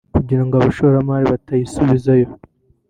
kugirango abashoramari batayisubizayo